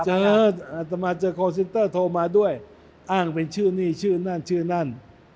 เจออัตมาเจอคอลเซนเตอร์โทรมาด้วยอ้างเป็นชื่อนี่ชื่อนั่นชื่อนั่น